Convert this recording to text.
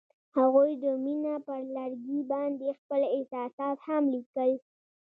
هغوی د مینه پر لرګي باندې خپل احساسات هم لیکل.